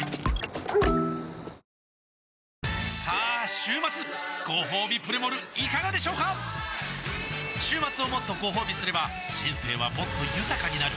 週末ごほうびプレモルいかがでしょうか週末をもっとごほうびすれば人生はもっと豊かになる！